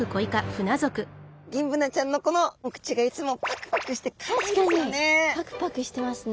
ギンブナちゃんのこのお口がいつも確かにパクパクしてますね。